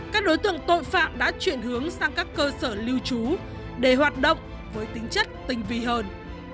các đối tượng tội phạm đã chuyển hướng sang các cơ sở lưu trú để hoạt động với tính chất tinh vi hơn